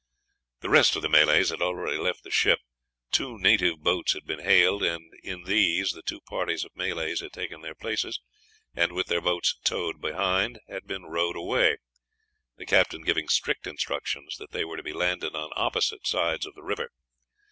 The rest of the Malays had already left the ship; two native boats had been hailed, and in these the two parties of Malays had taken their places, and, with their boats towing behind, had been rowed away, the captain giving strict instructions that they were to be landed on opposite sides of the river.